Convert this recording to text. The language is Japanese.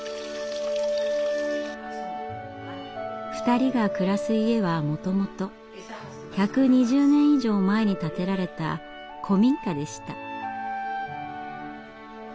２人が暮らす家はもともと１２０年以上前に建てられた古民家でした。